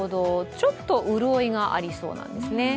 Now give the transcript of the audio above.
ちょっと潤いがありそうなんですね。